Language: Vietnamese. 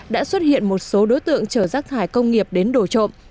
đã xuất hiện một số đối tượng chở rác thải công nghiệp đến đổ trộm